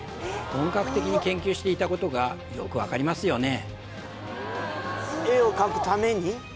本格的に研究していたことがよくわかりますよね